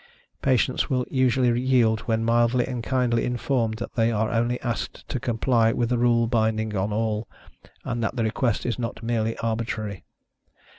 Patients will usually yield when mildly and kindly informed that they are only asked to comply with a rule binding on all, and that the request is not merely arbitrary.